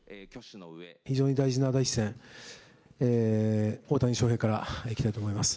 非常に大事な第１戦、大谷翔平からいきたいと思います。